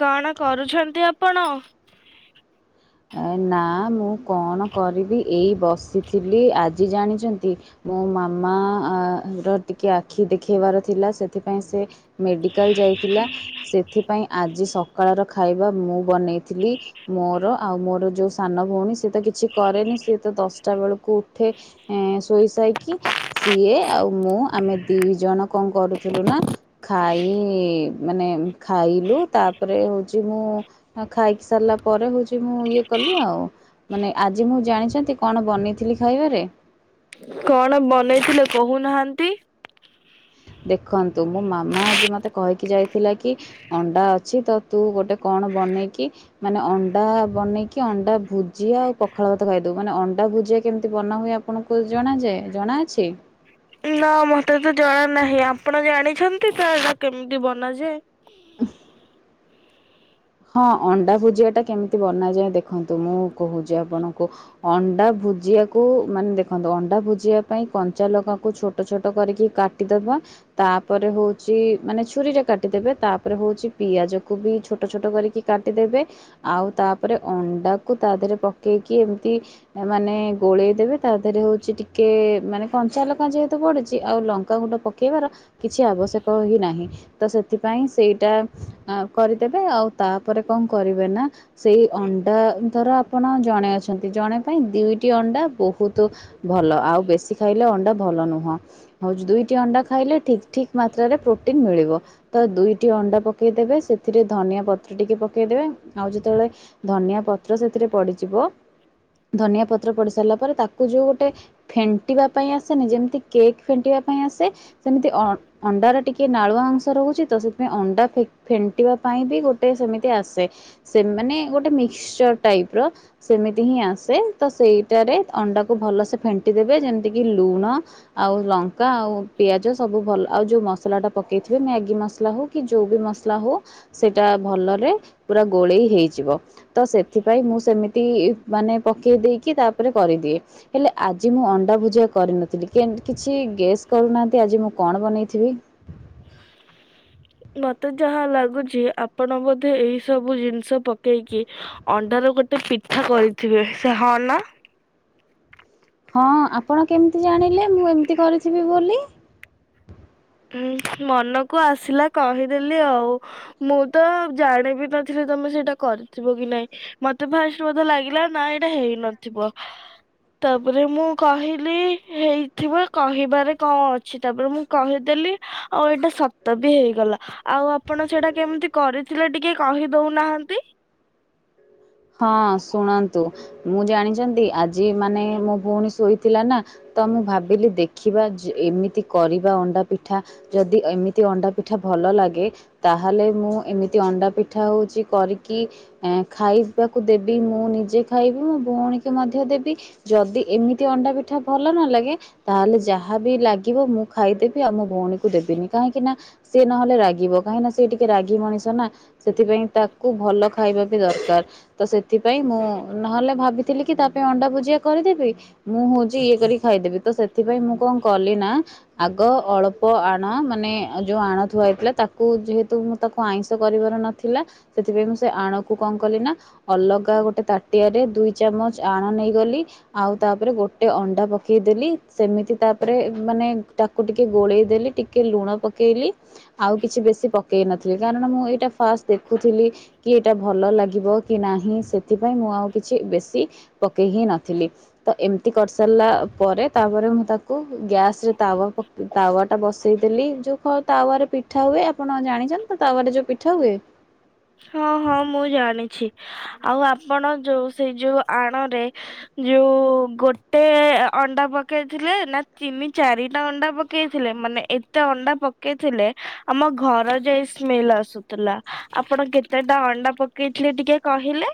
କଣ କରୁଛନ୍ତି ଆପଣ? ଏ ନା ମୁଁ କଣ କରିବି ଏଇ ବସିଥିଲି। ଆଜି ଜାଣିଛନ୍ତି ମୋ ମାମା ର ଟିକେ ଆଖି ଦେଖେଇବାର ଥିଲା ସେଥିପାଇଁ ସେ ମେଡ଼ିକାଲ ଯାଇଥିଲା ସେଥିପାଇଁ ଆଜି ସକାଳର ଖାଇବା ମୁଁ ବନେଇଥିଲି ମୋର ଆଉ ମୋର ଯୋଉ ସାନ ଭଉଣୀ ସିଏ ତ କିଛି କରେନି ସିଏ ତ ଦଶଟା ବେଳକୁ ଉଠେ ଶୋଇସ ଇକି ସିଏ ଆଉ ମୁଁ ଆମେ ଦି ଜଣ କଣ କରୁଥିଲୁ ନା ଖାଇ ମାନେ ଖାଇଲୁ ତାପରେ ହଉଛି ମୁଁ ଖାଇକି ସାରିଲା ପରେ ହଉଛି ମୁଁ ଇଏ କଲି ଆଉ ମାନେ ଆଜି ମୁଁ ଜାଣିଛନ୍ତି କଣ ବନେଇଥିଲି ଖାଇବାରେ? କଣ ବନେଇଥିଲେ କହୁନାହାନ୍ତି? ଦେଖନ୍ତୁ ମୋ ମାମା ଆଜି ମତେ କହିକି ଯାଇଥିଲା କି ଅଣ୍ଡା ଅଛି ତ ତୁ ଗୋଟେ କଣ ବନେଇକି ମାନେ ଅଣ୍ଡା ବନେଇକି ଅଣ୍ଡା ଭୁଜି ଆଉ ପଖାଳ ଭାତ ଖାଇଦବଉ ମାନେ ଅଣ୍ଡା ଭୁଜିଆ କେମିତି ବନା ହୁଏ ଆପଣଙ୍କୁ ଜଣାଯାଏ ଜଣାଅଛି? ନା ମତେ ତ ଜଣା ନାହିଁ ଆପଣ ଜାଣିଛନ୍ତି ତ କେମିତି ବନା ଯାଏ? ହଁ ଅଣ୍ଡା ଭୁଜିଆ ଟା କେମିତି ବନାଯାଏ ଦେଖନ୍ତୁ ମୁଁ କହୁଛି ଆପଣଙ୍କୁ ଅଣ୍ଡା ଭୁଜିବାକୁ ମାନେ ଦେଖନ୍ତୁ ଅଣ୍ଡା ଭୁଜିବା ପାଇଁ କଞ୍ଚା ଲଗାକୁ ଛୋଟ ଛୋଟ କରିକି କାଟିଦେବା ତାପରେ ହଉଛି ମାନେ ଛୁରୀରେ କାଟିଦେବେ ତାପରେ ହଉଛି ପିଆଜ କୁ ବି ଛୋଟ ଛୋଟ ଛୋଟ କରିକି କାଟିଦେବେ ଆଉ ତାପରେ ଅଣ୍ଡାକୁ ତା ଦେହରେ ପକେଇକି ଏମିତି ମାନେ ଗୋଳେଇ ଦେବେ ତା ଦେହରେ ହଉଛି ଟିକେ ମାନେ କଞ୍ଚା ଲଙ୍କା ଯେହେତୁ ପଡିଛି ଆଉ ଲଙ୍କା ଗୁଣ୍ଡ ପକେଇବାର କିଛି ଆବଶ୍ୟକ ହି ନାହିଁ ତ ସେଥିପାଇଁ ସେଇଟା କରି ଦେବେ ଆଉ ତାପରେ କଣ କରିବେ ନା ସେଇ ଅଣ୍ଡା ଧର ଆପଣ ଜଣେ ଅଛନ୍ତି ଜଣେ ପାଇଁ ଦିଇଟି ଅଣ୍ଡା ବହୁତ ଭଲ ଆଉ ବେଶୀ ଖାଇଲେ ଅ ଭଲ ନୁହଁ। ହଉଛି ଦୁଇଟି ଅଣ୍ଡା ଖାଇଲେ ଠିକ ଠିକ ମାତ୍ରାରେ ପ୍ରୋଟିନ ମିଳିବ ତ ଦୁଇଟି ଅଣ୍ଡା ପକେଇଦେବେ ସେଥିରେ ଧନିଆ ପତ୍ର ଟିକେ ପକେଇଦେବେ ଆଉ ଯେତେବେଳେ ଧନିଆ ପତ୍ର ସେଥିରେ ପଡିଯିବ ଧନିଆ ପତ୍ର ପଡିି ସାରିଲା ପରେ ତାକୁ ଯୋଉ ଗୋଟେ ଫେଣ୍ଟିବା ପାଇଁ ଆସେନି ଯେମିତି କେକ୍ ଫେଣ୍ଟିବା ଆସେ ସେମିତି ଅଣ୍ଡାର ଟିକେ ନାଳୁଆ ଅଂଶ ରହୁଛି ତ ସେଥିପାଇଁ ଅଣ୍ଡା ଫେଣ୍ଟି ଟ ପାଇଁ ବି ଗୋଟେ ସେମିତି ଆସେ ସେମାନେ ଗୋଟେ ମିକ୍ସଚର ଟାଇପ ର ସେମିତି ହି। ଆସ ସେଇଟାରେ ଅଣ୍ଡାକୁ ଭଲସେ ଫେଣ୍ଟି ଦେବେ ଯେମତି ଲୁଣ ଆଉ ଲ ପକା ଆଉ ପିଆଜ ସବୁ ଭଲ ଆଉ ଯେଉଁ ମସଲାଟା ପକାଇଥିବେ ମ୍ୟାଗି ମସଲା ହେଉ କି ଯେଉଁ ବି ମସଲା ହେଉ। ସେଟା ଭଲରେ ପୁରା ଗୋଳେଇ ହେଇଯିବ ତ ସେଥିପାଇଁ ମୁଁ ସେମିତି ମାନେ। ପକେଇ ଦେଇକି ତାପରେ କରିଦିଏ ହେଲେ ଆଜି ମୁଁ ଅଣ୍ଡା ଭୁଜିଆ କରିନଥିଲି କିଛି। ଗେସ୍ କରୁନାହାନ୍ତି ଆଜି ମୁଁ କଣ ବନେଇଥିବି। ମତେ ଯାହା ଲାଗୁଛି ଆପଣ ବୋଧେ ଏଇ ସବୁ ଜିନିଷ ପକେଇକି ଅଣ୍ଡାର ଗୋଟେ। ପିଠା କରିଥିବେ ସେ ହଁ ନା? ହଁ ଆପଣ କେମିତି ଜାଣିଲେ ମୁଁ ଏମିତି କରିଥିବି ବୋଲି। ହ ମନକୁ ଆସିଲା କହିଦେଲି ଆଉ ମୁଁ ତ ଜାଣିବି ନଥିଲି। ତମେ ସେଇଟା କରିଥିବ କି ନାଇଁ ମତେ ଫାଷ୍ଟ ବୋଧେ ଲାଗିଲା ନା ଏଇଟା ହେଇନଥିବ। ତାପରେ ମୁଁ କହିଲି ହେଇଥିବ କହିବାରେ କଣ ଅଛି ତାପରେ ମୁଁ କହିଲି। ଦେ ଆଉ ଏଇଟା ସତ ବି ହେଇଗଲା ଆଉ ଆପଣ ସେଇଟା କେମିତି କରିଥିଲେ ଟିକେ କହିଦଉ। କହୁ ନାହାନ୍ତି। ହ। ହଁ ଶୁଣନ୍ତୁ ମୁଁ ଜାଣିଛନ୍ତି ଆଜି ମାନେ ମୋ ଭଉଣୀ ଶୋଇଥିଲା ନା। ତ ମୁଁ ଭାବିଲି ଦେଖିବା ଏମିତି କରିବା ଅଣ୍ଡା ପିଠା ଯଦି ଏମିତି ଅଣ୍ଡା ପିଠାଲ। ଭଲ ଲାଗେ ତାହେଲେ ମୁଁ ଏମିତି ଅଣ୍ଡା ପିଠା ହଉଛି କରିକି ଖାଇ ପିକୁ ଦେବି ମୁଁ ନିଜେ ଖାଇବି ମୋ ଭଉଣୀକୁ ମଧ୍ୟ ଦେବି ଯଦି ଏମିତି ଅଣ୍ଡା ପିଠା ଭଲ। ନ ଲାଗେ ତାହେଲେ ଯାହା ବି ଲାଗିବ ମୁଁ ଖାଇଦେବି ଆଉ ମୋ ଭଉଣୀକୁ ଦେବିନି କାହିଁକି ନା। ସିଏ ନହେଲେ ରାଗିବ କାହିଁକିନା ସେ ଟିକେ ରାଗି ମଣିଷ ନା ସେଥିପାଇଁ ତାକୁ ଭଲ ଖାଇବା ବି ଦରକାର। ତ ସେଥିପାଇଁ ମୁଁ ନହେଲେ ଭାବିଥିଲି କି ତା ପାଇଁ ଅଣ୍ଡା ଭୁଜିଆ କରିଦେବି। ମୁଁ ହଉଛି ଇଏ କରି ଖାଇଦେବି ତ ସେ। ସେଥିପାଇଁ ମୁଁ କଣ କଲି ନା ଆଗ ଅଳ୍ପ ଆଣ ମାନେ ଯୋଉ ଆଣ ଥୁଆ ହେଇଥିଲା ତାକୁ। ଯେହେତୁ ମୁଁ ତାକୁ ଆଇଁଷ କରିବାର ନଥିଲା ସେଥିପାଇଁ ମୁଁ ସେ ଆଣକୁ କଣ କଲି ନା। ଅଲଗା ଗୋଟେ ତାଟିଆ ରେ ଦୁଇ ଚାମଚ ଆଣ ନେଇଗଲି ଆଉ ତାପରେ ଗୋଟେ ଅଣ୍ଡା ପକେଇ। ଦେଲି ସେମିତି ତାପରେ ମାନେ ତାକୁ ଟିକେ ଗୋଳେଇ ଦେଲି ଟିକେ। ଟେ ଲୁଣ ପକେଇଲି ଆଉ କିଛି ବେଶୀ ପକେଇ ନଥିଲି କାରଣ ମୁଁ ଏଇଟା। ଫାଷ୍ଟ ଦେଖୁଥିଲି କି ଏଇଟା ଭଲ ଲାଗିବ। କି ନାହିଁ ସେଥିପାଇଁ ମୁଁ ଆଉ କିଛି ବେଶୀ ପକେଇ ହିଁ ନଥିଲି ତ ଏମିତି କରିସାରିଲା ପରେ ତାପରେ ମୁଁ ତାକୁ ଗ୍ୟାସରେ ତାୱା ତାୱା ଟା ବସେଇଦଲି ଯୋଉ ତାୱ ପିଠା ହୁଏ ଆପଣ ଜାଣିଛନ୍ତି ତ ତାପରେ ଯୋଉ ପିଠା ହୁଏ? ହଁ ହଁ ମୁଁ ଜାଣିଛି ଆଉ ଆପଣ ଯୋଉ ସେଇ ଯୋଉ ଆଣରେ ଯୋଉ ଗୋଟେ ଅଣ୍ଡା ପକେଇଥିଲେ ନା ତିନି ଚାରିଟା ଅଣ୍ଡା ପକେଇଥିଲେ? ମାନେ ଏତେ ଅଣ୍ଡା ପକେଇଥିଲେ ଆମ ଘର ଯାଇ ସ୍ମେଲ ଆସୁଥିଲା। ଆପଣ କେତେଟା ଅଣ୍ଡା ପକେଇଥିଲେ ଟିକେ କହିଲେ?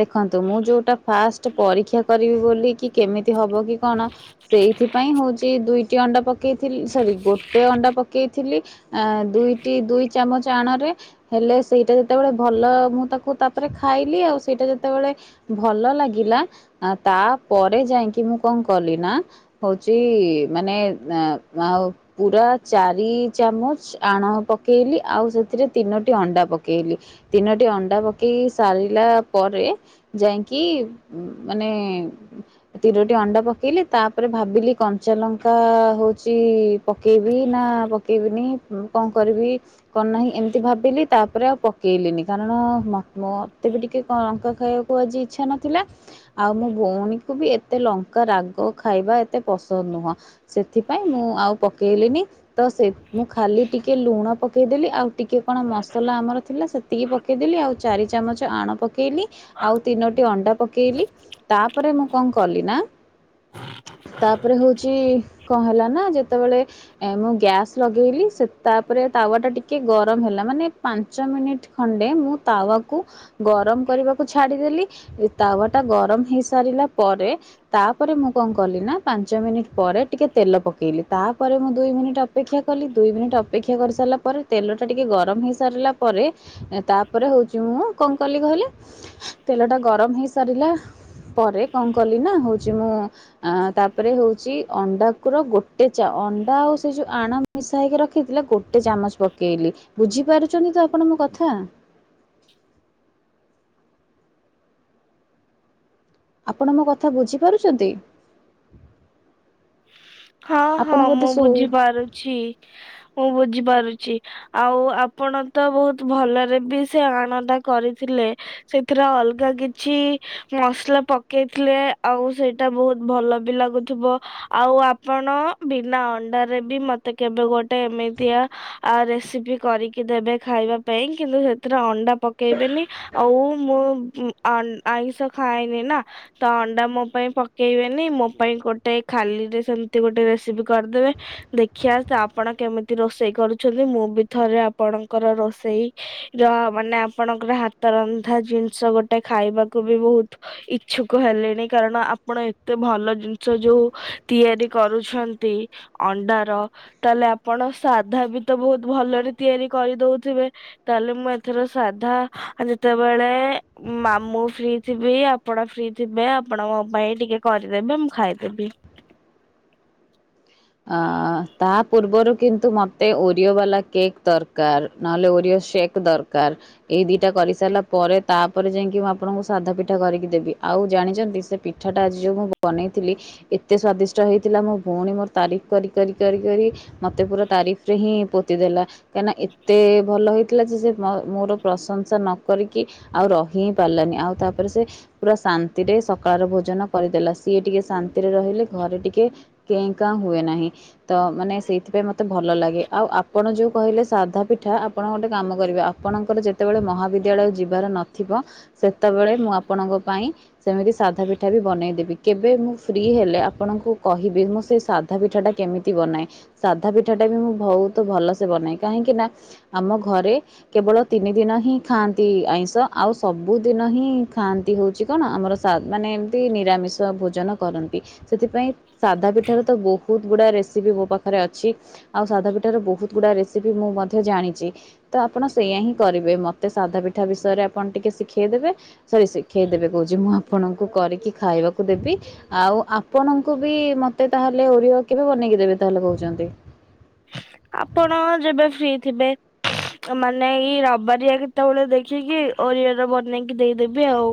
ଦେଖନ୍ତୁ ମୁଁ ଯୋଉଟା ଫାଷ୍ଟ ପରୀକ୍ଷା କରିବି ବୋଲି କି କେମିତି ହବ କି? କଣ ସେଇଥିପାଇଁ ହଉଛି ଦୁଇଟି ଅଣ୍ଡା ପ ପକେଇଥିଲି ସରି ଗୋଟେ ଅଣ୍ଡା ପକେଇଥିଲି। ଆ ଦୁଇଟି ଦୁଇ ଚାମଚ ଆଣ ରେ ହେଲେ ସେଇଟା ଯେତେବେଳେ ଭଲ ମୁଁ ତାକୁ ତାପରେ ଖାଇଲି ଆଉ। ସେଇଟା ଯେତେବେଳେ ଭଲ ଲାଗିଲା ତାପରେ ଯାଇକି ମୁଁ କଣ କଲି ନା। ହଉଚି ମାନେ ଆ ଆଉ ପୁରା ଚାରି ଚାମଚ ଆଣ ପକେଇଲି ଆଉ ସେଥିରେ ତିନୋଟି ଅଣ୍ଡା ପକେଇଲି ତିନୋଟି ଅଣ୍ଡା ପକେଇକି ସାରିଲା। ପରେ ଯାଇକି ମାନେ ତିରୋଟି ଅଣ୍ଡା ପକେଇଲେ ତାପରେ, ଭାବିଲି କଞ୍ଚା ଲଙ୍କା ହଉଛି ପକେଇବି ନା ପକେଇବିନି? କଣ କରିବି କଣ ନାହିଁ ଏମିତି ଭାବିଲି ତାପରେ ଆଉ ପକେଇଲିନି କାରଣ ମ ମତେ ବି ଟିକେ। ଲଙ୍କା ଖାଇବାକୁ ଆଜି ଇଚ୍ଛା ନଥିଲା ଆଉ ମୋ ଭଉଣୀକୁ ବି ଏତେ ଲଙ୍କା ରାଗ ଖାଇବା ଏତେ ପସନ୍ଦ ନୁହଁ ସେଥିପାଇଁ ମୁଁ ଆଉ ପକେଇଲି ତ ମୁଁ ଖାଲି ଟିକେ ଲୁଣ ପକେଇଦଲି ଆଉ ଟିକେ କଣ ମସଲା ଆମର ଥିଲା ସେତିକି ପକେଇଦଲି ଆଉ ଚାରି ଚାମଚ ଆଣ ପକେଇ କେଇ ଆଉ ତିନୋଟି ଅଣ୍ଡା ପକେଇଲି ତାପରେ ମୁଁ କଣ କଲି ନା। ହଁ। ତାପରେ ହଉଛି କଣ ହେଲା ନା ଯେତେବେଳେ ମୁଁ ଗ୍ୟାସ୍ ଲଗେଇଲି ତାପରେ ତାୱ ଟା ଟିକେ ଗରମ ହେଲା ମାନେ ପାଞ୍ଚ ମିନିଟ ଖଣ୍ଡେ ମୁଁ ତାୱକୁ ଗରମ କରିବାକୁ ଛାଡିଦେଲି ତାୱା ଟା ଗରମ ହେଇସାରିଲା ପରେ ତାପରେ ମୁଁ କଣ କଲି ନା। ପାଞ୍ଚ ମିନିଟ୍ ପରେ ଟିକେ ତେଲ ପକେଇଲି ତାପରେ ମୁଁ ଦୁଇ ମିନିଟ୍ ଅପେକ୍ଷା କଲି ଦୁଇ ମିନିଟ୍ ଅପେକ୍ଷା କ ପ ସାରିଲା ପରେ ତେଲ ଟା ଟିକେ ଗରମ ହେଇ ସାରିଲା ପରେ ତାପରେ ହଉଛି ମୁଁ କଣ କଲି କହିଲେ। ତେଲ ଟା ଗରମ ହେଇ ସାରିଲା। ପରେ କଣ କଲି ନା ହଉଛି ମୁଁ ଅ ତାପରେ ହଉଛି ଅଣ୍ଡାକୁ ର ଗୋଟେ ଚାଉଳ ଅଣ୍ଡା ଆଉ ସେ ଯୋଉ ଆଣ ମିଶାଇକି ରଖିଥିଲା ଗୋଟେ ଚାମଚ ପକେଇଲି ବୁଝିପାରୁଛନ୍ତି ତ ଆପଣ କଥା? [inaudible] ଆପଣ ମୋ କଥା ବୁଝିପାରୁଛନ୍ତି? ହଁ ହଁ ଆପଣ ବୋଧେ ମୁଁ ଶୋଉ ବୁଝିପାରୁଛି ମୁଁ ବୁଝିପାରୁଛି। ଆଉ ଆପଣ ତ ବହୁତ ଭଲରେ ବି ସେ ଆଣନ୍ଦା କରିଥିଲେ ସେଥିର ଅଲଗା କିଛି ମସଲା ପକେଇଥିଲେ ଆଉ ସେଇଟା ବହୁତ ଭଲ ବି ଲାଗୁଥିବ। ଆଉ ଆପଣ ବିନା ଅଣ୍ଡାରେ ବି ମତେ କେବେ ଗୋଟେ ଏମିତିଆ ରେସିପି କରିକି ଦେବେ ଖାଇବା ପାଇଁ କିନ୍ତୁ ସେଥିରେ ଅଣ୍ଡା ପକେଇବେନି ଆଉ ମୁଁ ଆଇଁଷ ଖାାଇଏନି ନା ତ ଅଣ୍ଡା ମୋ ପାଇଁ ପକେଇବେନି ମୋ ପାଇଁ ଗୋଟେ ଖାଲିରେ ସେମିତି ଗୋଟେ ରେସିପି କରିଦେବେ ଦେଖିବା ଆପଣ କେମିତି ରୋଷେଇ କରୁଛନ୍ତି ମୁଁ ଥରେ ଆପଣଙ୍କର ରୋଷେଇ ର ମାନେ ଆପଣଙ୍କର ହାତ ରନ୍ଧା ଜିନିଷ ଗୋଟେ ସେଟେ ଖାଇବାକୁ ବି ବହୁତ ଇଚ୍ଛୁକ ହେଲେଣି କାରଣ ଆପଣ ଏତେ ଭଲ ଜିନିଷ ଯୋଉ ତିଆରି କରୁଛନ୍ତି ଅଣ୍ଡାର ତାହେଲେ ଆପଣ ସାଧା ବି ତ ବହୁତ ଭଲ ଭଲରେ ତିଆରି କରିଦଉଥିବେ ତାହେଲେ ମୁଁ ଏଥର ସାଧା ଯେତେବେଳେ ମାମୁଁ ଫ୍ରି ଥିବି ଆପଣ ଫ୍ରି ଥିବେ ଆପଣ ମୋ ପାଇଁ ଟିକେ କରିଦେବେ ମୁଁ ଖାଇଦେବି। ଅ ତା ପୂର୍ବରୁ କିନ୍ତୁ ମତେ ଓରିଓ ବାଲା କେକ୍ ଦରକାର ନହେଲେ ଓରିଓ ସେ କ ଦରକାର ଏଇ ଦିଟା କରିସାରିଲା ପରେ ତାପରେ ଯାଇକି ମୁଁ ଆପଣଙ୍କୁ ସାଧା ପିଠା କରିକି ଦେବି ଆଉ ଜାଣି ସେ ପିଠାଟା ଆଜି ଯୋଉ ମୁଁ ବନେଇଥିଲି ଏତେ ସ୍ଵାଦିଷ୍ଟ ହେଇଥିଲା ମୋ ଭଉଣୀ ମୋତେ ତାରିଫ କରି କରି କରି କରି ମତେ ପୁରା ତାରିଫରେ ହିଁ ପୋତି ଦେଲା କାହିଁକିନା ଏତେ ଭଲ ହୋଇଥିଲା ଯେ ସେ ମୋର ପ୍ରଂସସା ନ କରିକି ଆଉ ରହି ହିଁ ପାରିଲାନି ଆଉ ତାପରେ ସେ ପୁରା ଶାନ୍ତିରେ ସକାଳର ଭୋଜନ କରିଦେଲା ସିଏ ଟିକେ ଶାନ୍ତିରେ ରହିଲେ ଘରେ ଟିକେ କେ କା ହୁଏ ନାହିଁ ତ ମାନେ ସେଇଥିପାଇଁ ମତେ ଭଲ ଲାଗେ ଆଉ ଆପଣ ଯୋଉ କହିଲେ ସାଧା ପିଠା ଆପଣ ଗୋଟେ କାମ କରିବେ ଆପ୍ ଆପଣଙ୍କର ଯେତେବେଳେ ମହାବିଦ୍ୟାଳୟ ଯିବାର ନଥିବ ସେତେବେଳେ ମୁଁ ଆପଣଙ୍କ ପାଇଁ ସେମିତି ସାଧା ପିଠା ବି ବନେଇଦେବି କେବେ ମୁଁ ଫ୍ରି ହେଲେ ଆପଣଙ୍କୁ କହିବି ମୁଁ ସେ ସାଧା ପିଠା ଟା କେମିତି ବନାଏ। ସାଧା ପିଠାଟା ବି ମୁଁ ବହୁତ ଭଲସେ ବନାଏ କାହିଁକି ନା ଆମ ଘରେ କେବଳ ତିନି ଦିନ ହିଁ ଖାଆନ୍ତି ଆଇଁଷ ଆଉ ସବୁ ଦିନ ହିଁ ଖାଆନ୍ତି ହଉ ହୋଉଛି କଣ ଆମର ସା ମାନେ ଏମତି ନିରମିଷଭୋନ କରନ୍ତି ସେଥିପାଇ ସାଧା ପିଠ। ତ ବହୁତ ଗୁଡା ରେସିପି ମୋ ପାଖରେ ଅଛି ଆଉ ସାଧା ପିଠ ର ବହୁତ ଗୁଡା ରେସିପି ମୁଁ ମଧ୍ୟ ଜାଣିଛି। ତ ଆପଣ ସେଇଆା ହିଁ କରିବେ ମତେ ସାଧା ପିଠା ବିଷୟରେ ଆପଣ ଟିକେ ଶିଖେଇଦେବେ ସରି ଶିଖେଇ ଦେବେ କହୁଛି ମୁଁ ଆପଣଙ୍କୁ କରିକି ଖାଇବାକୁ ଦେବି ଆଉ ଆପଣଙ୍କୁ ବି ମତେ ତାହେଲେ ଓରିଓ କେବେ ବନେଇକି ଦେବେ ତାହେଲେ କହୁଛନ୍ତି? ଆପଣ ଯେବେ ଫ୍ରି ଥିବେ? ମାନେ ଏଇ ରବାରିଆ କେତେବେଳେ ଦେଖିକି ଓରିଓରେ ବନେଇକି ଦେଇଦେବି ଆଉ।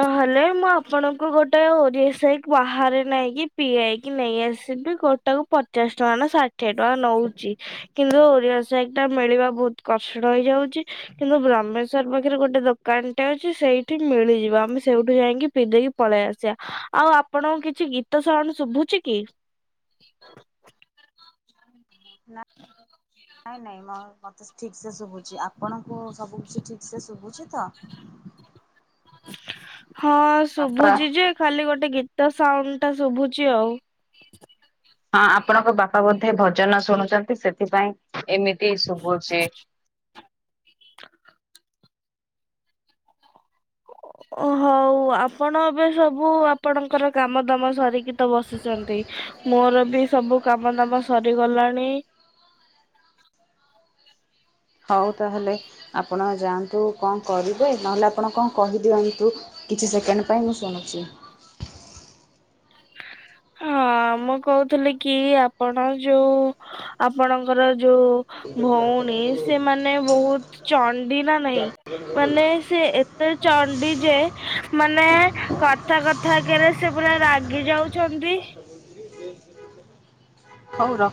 ନହେଲେ ମୁଁ ଆପଣଙ୍କୁ ଗୋଟେ ଓରିଓ ସେକ୍ ବାହାରେ ନେଇକି ପିଆଇକି ନେଇ ଆସିି ସେ ଗୋଟାକୁ ପଚାଶ ଟଙ୍କ ନା ସା ଠିଏ ଟଙ୍କା ନଉଛି। କିନ୍ତୁ ଓରିଓ ଶେକ୍ ଟା ମିଳିବା ବହୁତ କଷ୍ଟ ହେଇଯାଉଛି କିନ୍ତୁ ରାମେଶ୍ଵର ପାଖରେ ଗୋଟେ ଦୋକାନଟେ ଅଛି ସେଇଠି ମିଳିଯିବ ଆମେ ସେଇଠୁ ଯାଇକି ପିଇ ଦେଇକି ପଳେଇ ଆସିବା। ଆଉ ଆପଣଙ୍କ କିଛି ଗୀତ ଶାରଣ ଶୁଭୁଛି କି? ନା ନାଇଁ ନାଇଁ ମୁଁ ମତେ ଠିକ ସେ ଶୁଭୁଛି। ଆପଣଙ୍କୁ ସବୁ କିଛି ଠିକ ସେ ଶୁଭୁଛି ତ? [inaudible] ହଁ ଶୁଭୁଛି ଯେ ଖାଲି ଗୋଟେ ଗୀତ ସାଉଣ୍ଡ ଟା ଶୁଭୁଛି ଆଉ। ହଁ ଆପଣଙ୍କ ବାପା ବୋଧେ ଭଜନ ଶୁଣୁଛନ୍ତି ସେଥିପାଇଁ ଏମିତି ଶୁଭୁଛି। ହଉ ଆପଣ ଏବେ ସବୁ ଆପଣଙ୍କର କାମ ଦାମ ସାରିକି ତ ବସିଛନ୍ତି। ମୋର ବି ସବୁ କାମ ଦାମ ସରିଗଲାଣି। ହଉ ତାହେଲେ ଆପଣ ଯାଆନ୍ତୁ କଣ କରିବେ ନହେଲେ ଆପଣ କଣ କହିଦିଅନ୍ତୁ? କିଛି ସେକେଣ୍ଡ ପାଇଁ ମୁଁ ଶୁଣୁଛି ହଁ ମୁଁ କହୁଥିଲି କି ଆପଣ ଯୋଉ ଆପଣଙ୍କର ଯୋଉ ଭଉଣୀ ସେମାନେ ନେ ବହୁତ ଚଣ୍ଡୀ ନା ନାହିଁ ମାନେ ସେ ଏତେ ଯେ ମାନେ କଥା କଥା କରେ ସେ ପୁରା ରାଗି ଯାଉଛନ୍ତି। ହଉ ର